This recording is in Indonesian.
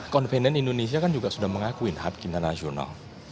konvenen indonesia kan juga sudah mengakuin hak kinalasional